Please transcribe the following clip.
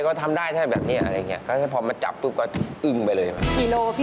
ค่าทุกอย่างก็เกือบหมื่นนะครับค่าทุกอย่างก็เกือบหมื่นนะครับ